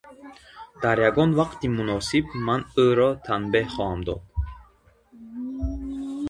Дар ягон вақти муносиб ман ӯро танбеҳ хоҳам дод.